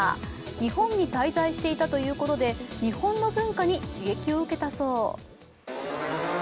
日本に滞在していたということで、日本の文化に刺激を受けたそう。